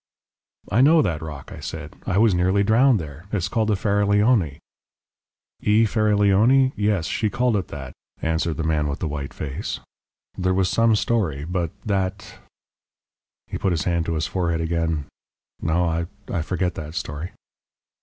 "I know that rock," I said. "I was nearly drowned there. It is called the Faraglioni." "I Faraglioni? Yes, she called it that," answered the man with the white face. "There was some story but that " He put his hand to his forehead again. "No," he said, "I forget that story."